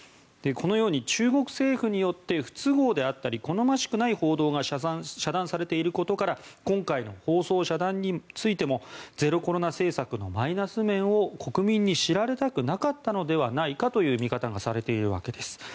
このように中国政府によって不都合であったり好ましくない報道が遮断されていることから今回の放送遮断についてもゼロコロナ政策のマイナス面を国民に知られたくなかったのではないかという見方がされているわけです。